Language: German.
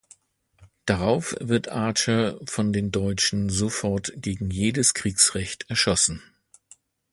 Darauf wird Archer von den Deutschen sofort gegen jedes Kriegsrecht erschossen.